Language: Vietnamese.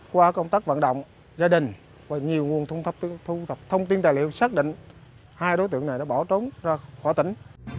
qua công tác vận động gia đình và nhiều nguồn thu thập thông tin tài liệu xác định hai đối tượng này đã bỏ trốn ra khỏi tỉnh